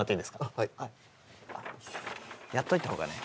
ああはいやっといた方がね